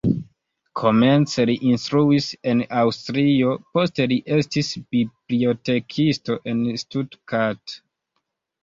Komence li instruis en Aŭstrio, poste li estis bibliotekisto en Stuttgart.